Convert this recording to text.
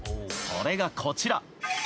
それがこちら。